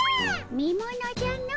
見ものじゃの。